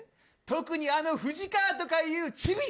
特に、あの藤川とかいうチビ。